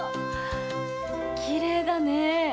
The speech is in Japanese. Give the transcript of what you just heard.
きれいだね。